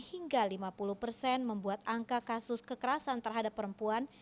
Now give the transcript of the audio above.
hingga lima puluh persen membuat angka kasus kekerasan terhadap perempuan